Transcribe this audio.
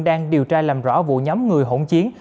đang điều tra làm rõ vụ nhóm người hỗn chiến